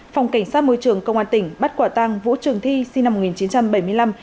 phòng cảnh sát môi trường công an tỉnh bắt quả tăng vũ trường thi sinh năm một nghìn chín trăm bảy mươi năm